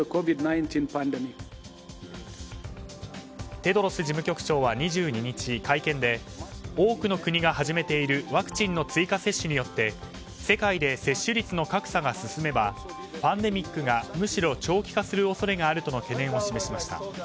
テドロス事務局長は２２日、会見で多くの国が始めているワクチンの追加接種によって世界で接種率の格差が進めばパンデミックがむしろ長期化する恐れがあるとの懸念を示しました。